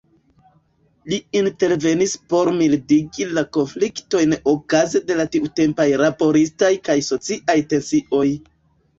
Li intervenis por mildigi la konfliktojn okaze de la tiutempaj laboristaj kaj sociaj tensioj.